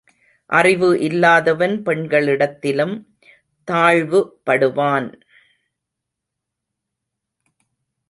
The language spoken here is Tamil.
அறிவு இல்லாதவன் பெண்களிடத்திலும் தாழ்வு படுவான்.